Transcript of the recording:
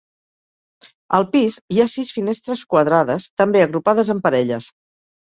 Al pis hi ha sis finestres quadrades, també agrupades en parelles.